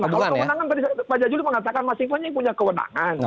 kalau kewenangan tadi pak jajuli mengatakan masing masing punya kewenangan